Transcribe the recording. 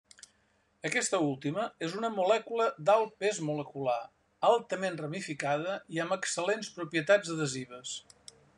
Aquesta última és una molècula d'alt pes molecular, altament ramificada i amb excel·lents propietats adhesives.